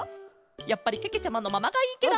やっぱりけけちゃまのままがいいケロ！